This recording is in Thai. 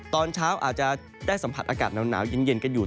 ตอนเช้าอาจจะได้สัมผัสอากาศหนาวเย็นกันอยู่